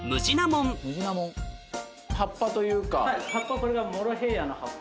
葉っぱこれがモロヘイヤの葉っぱ。